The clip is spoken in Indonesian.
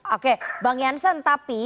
oke bang jansen tapi